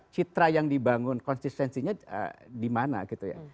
citra yang dibangun konsistensinya di mana gitu ya